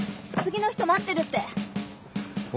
次の人待ってるって。